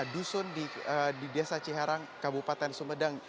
lima dusun di desa ciherang kabupaten sumedang